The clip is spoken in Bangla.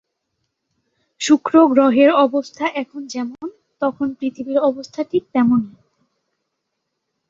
শুক্র গ্রহের অবস্থা এখন যেমন, তখন পৃথিবীর অবস্থা ছিল ঠিক তেমন'ই।